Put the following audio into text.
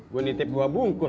gue nitip buah bungkus